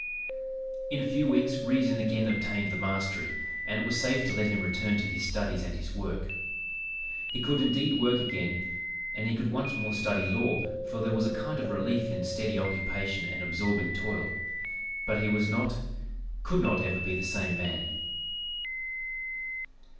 "In a few weeks reason again obtained the mastery, and it was safe to let him return to his studies and his work. He could indeed work again, and he could once more study law, for there was a kind of relief in steady occupation and absorbing toil, but he was not, could not ever be the same man.